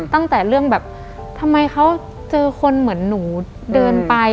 ตั้งแต่เรื่องแบบทำไมเขาเจอคนเหมือนหนูเดินไป